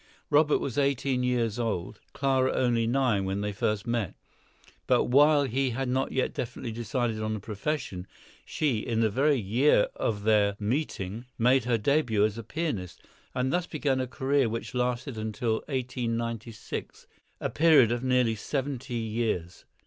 Robert was eighteen years old, Clara only nine, when they first met; but while he had not yet definitely decided on a profession, she, in the very year of their meeting, made her début as a pianist, and thus began a career which lasted until 1896, a period of nearly seventy years!